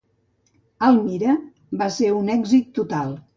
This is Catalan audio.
"Almira" va ser un èxit total.